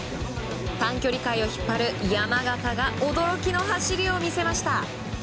短距離界を引っ張る山縣が驚きの走りを見せました。